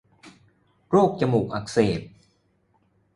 โรคจมูกอักเสบ